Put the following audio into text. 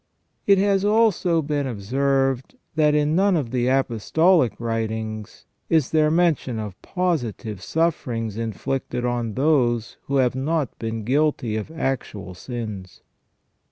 It has also been observed that in none of the Apostolic writings is there mention of positive sufferings inflicted on those who have not been guilty of actual sins.